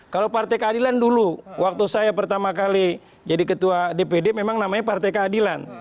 kalau partai keadilan dulu waktu saya pertama kali jadi ketua dpd memang namanya partai keadilan